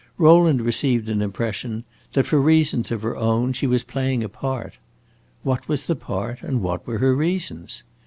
Rowland received an impression that, for reasons of her own, she was playing a part. What was the part and what were her reasons?